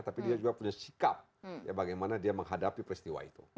tapi dia juga punya sikap bagaimana dia menghadapi peristiwa itu